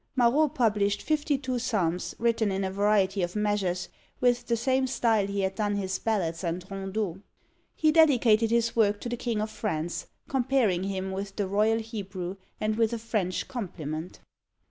Marot published fifty two Psalms, written in a variety of measures, with the same style he had done his ballads and rondeaux. He dedicated his work to the King of France, comparing him with the royal Hebrew, and with a French compliment!